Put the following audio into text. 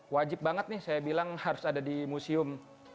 wajib banget nih saya bilang harus ada di museum